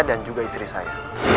dan juga istri saya